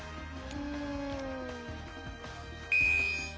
うん？